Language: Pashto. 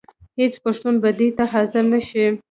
هېڅ پښتون به دې ته حاضر نه شي.